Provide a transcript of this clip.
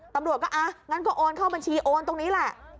ตำรวจก็อ่ะงั้นก็โอนเข้าบัญชีโอนตรงนี้แหละ